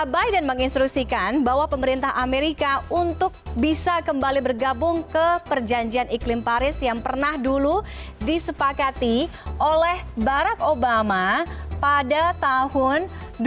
biden menginstruksikan bahwa pemerintah amerika untuk bisa kembali bergabung ke perjanjian iklim paris yang pernah dulu disepakati oleh barack obama pada tahun dua ribu